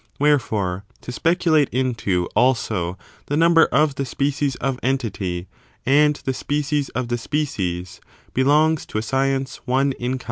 Wherefore, to speculate into, also, the number of the species of entity, and the species of the species, belongs to a science one in kind.